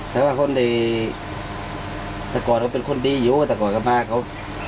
แสดงว่าคนดีตะกรดเขาเป็นคนดีอยู่ตะกรดก็มาเขา